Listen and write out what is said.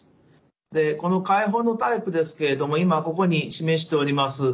でこの開放のタイプですけれども今ここに示しております